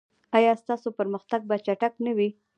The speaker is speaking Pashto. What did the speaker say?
ایا ستاسو پرمختګ به چټک نه وي؟